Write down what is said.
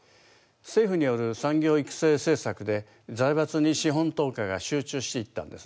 政府による産業育成政策で財閥に資本投下が集中していったんですね。